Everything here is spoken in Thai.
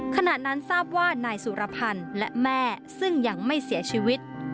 ขณะนั้นทราบว่านายสุรพันธ์และแม่ซึ่งยังไม่เสียชีวิต